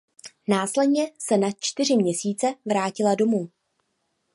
Následně se na čtyři měsíce vrátila domů.